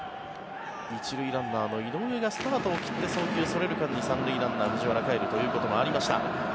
１塁ランナーの井上がスタートを切って送球がそれる間に３塁ランナーの藤原が、かえるということもありました。